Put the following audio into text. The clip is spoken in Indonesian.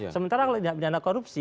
sementara kalau tidak pidana korupsi